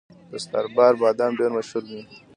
د ستاربای بادام ډیر مشهور دي.